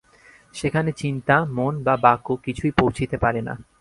সেখানে চিন্তা মন বা বাক্য কিছুই পৌঁছিতে পারে না।